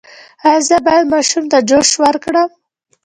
ایا زه باید ماشوم ته جوس ورکړم؟